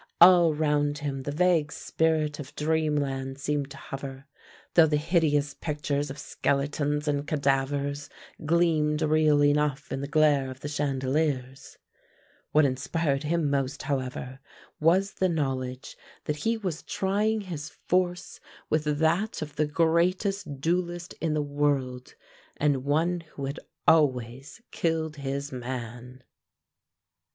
All round him the vague spirit of dreamland seemed to hover, though the hideous pictures of skeletons and cadavers gleamed real enough in the glare of the chandeliers. What inspired him most, however, was the knowledge that he was trying his force with that of the greatest duellist in the world, and one who had always killed his man.